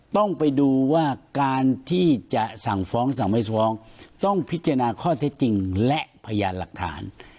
ต้องไปดูว่าการที่จะสั่งฟ้องสั่งไม่ฟ้องต้องพิจารณาข้อเท็จจริงและพยานหลักฐาน